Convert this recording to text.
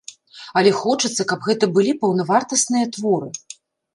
Але хочацца, каб гэта былі паўнавартасныя творы.